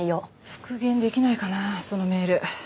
復元できないかなそのメール。